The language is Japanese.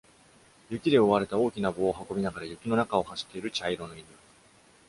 雪で覆われた大きな棒を運びながら雪の中を走っている茶色の犬